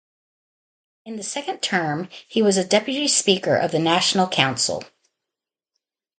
In the second term he was a Deputy Speaker of the National Council.